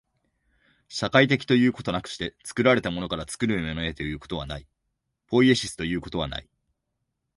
社会的ということなくして、作られたものから作るものへということはない、ポイエシスということはない。